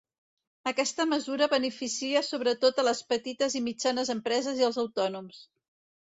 Aquesta mesura beneficia sobretot a les petites i mitjanes empreses i als autònoms.